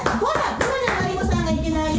今のマリモさんがいけないよ！